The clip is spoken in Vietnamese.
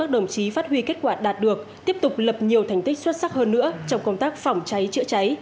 đồng chí phát huy kết quả đạt được tiếp tục lập nhiều thành tích xuất sắc hơn nữa trong công tác phòng cháy chữa cháy